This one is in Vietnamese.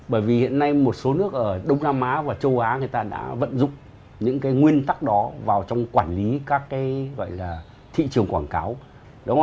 bởi vì hiện nay một số nước ở đông nam á và châu á người ta đã vận dụng những cái nguyên tắc đó vào trong quản lý các cái gọi là thị trường quảng cáo